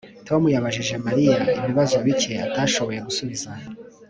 Tom yabajije Mariya ibibazo bike atashoboye gusubiza